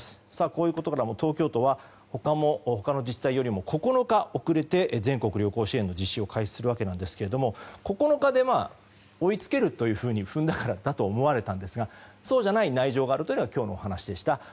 こういうことからも東京都は他の自治体よりも９日遅れて全国旅行支援の実施を開始するわけですが、９日で追いつけるというふうに踏んだからだと思われたんですがそうじゃない内情があるというのが今日の話です。